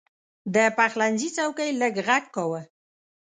د پخلنځي څوکۍ لږ غږ کاوه.